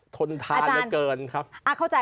ทนทานเกินครับอาจารย์